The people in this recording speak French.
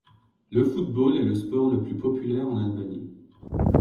Le football est le sport le plus populaire an Albanie.